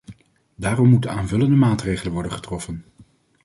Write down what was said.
Daarom moeten aanvullende maatregelen worden getroffen.